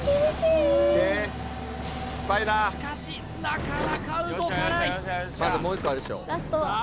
しかしなかなか動かないさあ